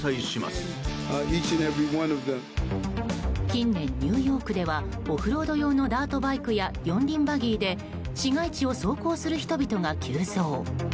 近年、ニューヨークではオフロード用のダートバイクや４輪バギーで市街地を走行する人々が急増。